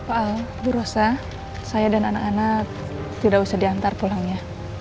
soal bu rosa saya dan anak anak tidak usah diantar pulangnya